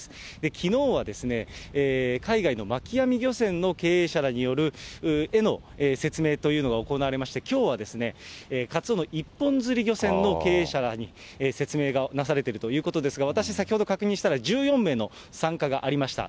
きのうはですね、海外の巻き網漁船の経営者らへの説明というのが行われまして、きょうはカツオの一本釣り漁船の経営者らに説明がなされているということですが、私、先ほど確認したら１４名の参加がありました。